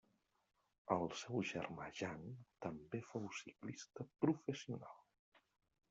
El seu germà Jan també fou ciclista professional.